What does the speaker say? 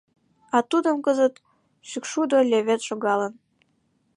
А тудым кызыт шӱкшудо левед шогалын.